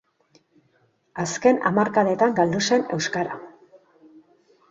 Azken hamarkadetan galdu zen euskara.